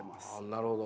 なるほど。